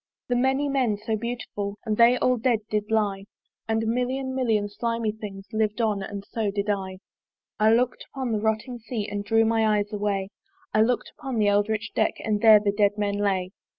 The many men so beautiful, And they all dead did lie! And a million million slimy things Liv'd on and so did I. I look'd upon the rotting Sea, And drew my eyes away; I look'd upon the eldritch deck, And there the dead men lay.